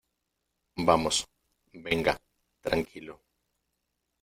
vamos. venga . tranquilo .